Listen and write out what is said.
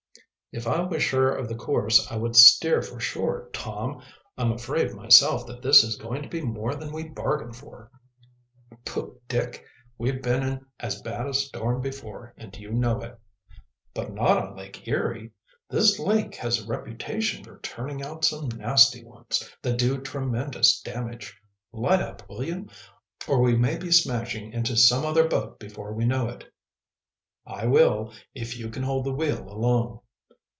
"If I was sure of the course I would steer for shore, Tom. I'm afraid myself that this is going to be more than we bargained for." "Pooh, Dick! We've been in as bad a storm before, and you know it." "But not on Lake Erie. This lake has a reputation for turning out some nasty ones, that do tremendous damage. Light up, will you? or we may be smashing into some other boat before we know it." "I will, if you can hold the wheel alone."